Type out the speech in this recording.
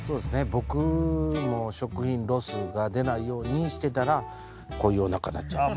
僕も食品ロスが出ないようにしてたらこういうおなかなっちゃった。